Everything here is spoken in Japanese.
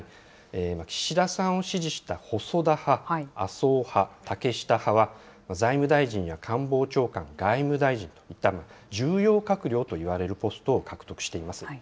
岸田さんを支持した細田派、麻生派、竹下派は、財務大臣や官房長官、外務大臣といった重要閣僚といわれるポストを獲得しています。